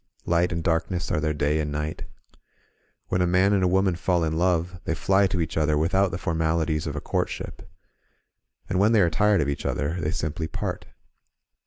Light and darkness are their day and night. When a man and a woman fall in love they fly to each other without the formalities of a courtship, — ^and when they are tired of each other they simply part.